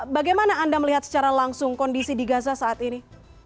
bagaimana anda melihat secara langsung kondisi di gaza saat ini